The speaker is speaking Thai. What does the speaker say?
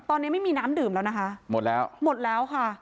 ตอนนี้ไม่มีน้ำดื่มแล้วนะคะหมดแล้วหมดแล้วค่ะ